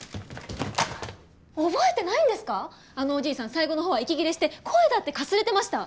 あのおじいさん最後の方は息切れして声だってかすれてました。